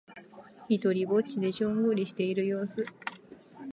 ひとりっぼちでしょんぼりしている様子。